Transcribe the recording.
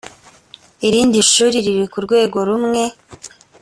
irindi shuri riri ku rwego rumw